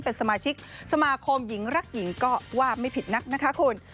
เป็นสมาชิกสมาคมหญิงรักหญิงก็ว่าไม่ผิดนักนะคะคุณ